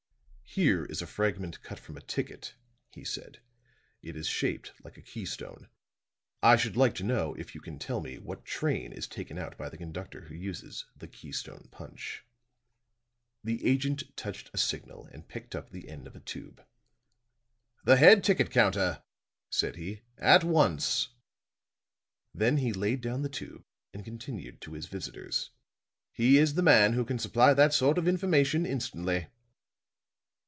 "Here is a fragment cut from a ticket," he said. "It is shaped like a keystone. I should like to know, if you can tell me, what train is taken out by the conductor who uses the keystone punch." The agent touched a signal and picked up the end of a tube. "The head ticket counter," said he. "At once." Then he laid down the tube and continued to his visitors. "He is the man who can supply that sort of information instantly."